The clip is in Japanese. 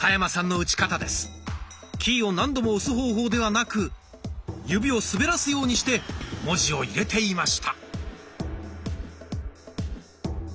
キーを何度も押す方法ではなく指を滑らすようにして文字を入れていました。